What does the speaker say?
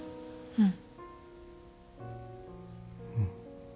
うん。